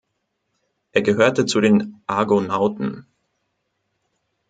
Er gehörte zu den Argonauten.